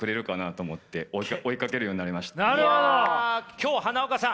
今日花岡さん